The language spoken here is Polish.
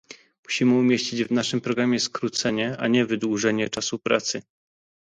Musimy umieścić w naszym programie skrócenie, a nie wydłużenie czasu pracy